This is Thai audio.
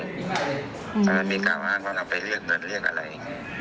แต่มันมีการอ้านว่าเราไปเรียกเงินเรียกอะไร